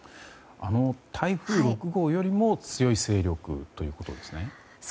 台風６号よりも強い勢力ということですね。